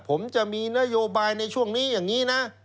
ผมจะมีนโยบายในช่วงนี้อย่างนี้นะ